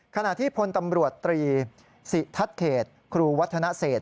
ขณะที่พลตำรวจตรีสิทัศนเขตครูวัฒนเศษ